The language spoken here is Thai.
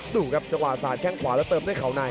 ดูครับจังหวะสาดแข้งขวาแล้วเติมด้วยเขาใน